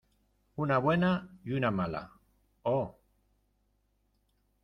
una buena y una mala. ¡ oh!